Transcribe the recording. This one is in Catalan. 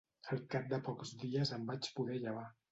Al cap de pocs dies em vaig poder llevar